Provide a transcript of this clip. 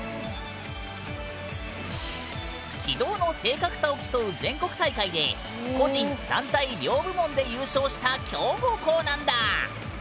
軌道の正確さを競う全国大会で個人・団体両部門で優勝した強豪校なんだ！